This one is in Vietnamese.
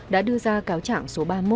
đã đưa ra cáo trảng số ba mươi một